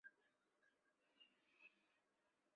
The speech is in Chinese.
清朝及中华民国政治人物。